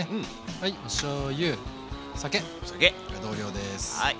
はいおしょうゆ酒同量です。